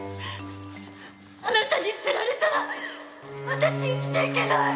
あなたに捨てられたら私生きていけない！